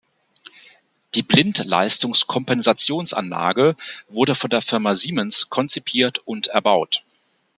Die Blindleistungs-Kompensationsanlage wurde von der Firma Siemens konzipiert und erbaut.